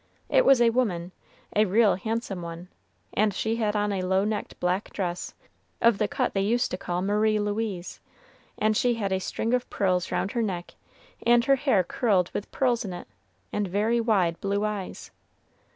It was a woman a real handsome one and she had on a low necked black dress, of the cut they used to call Marie Louise, and she had a string of pearls round her neck, and her hair curled with pearls in it, and very wide blue eyes.